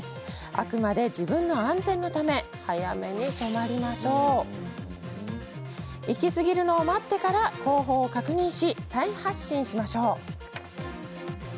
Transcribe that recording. あくまで自分の安全のため早めに止まり行き過ぎるのを待ってから後方を確認し再発進しましょう。